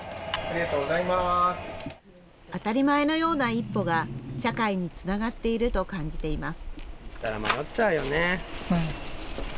当たり前のような一歩が、社会につながっていると感じています。